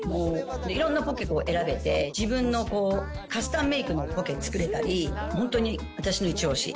いろんなポケも選べて、自分のカスタムメークのポケ作れたり、本当に私の一押し。